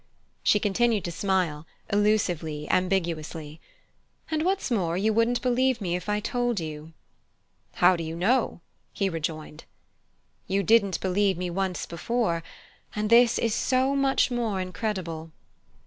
She continued to smile, elusively, ambiguously. "And what's more, you wouldn't believe me if I told you." "How do you know?" he rejoined. "You didn't believe me once before; and this is so much more incredible."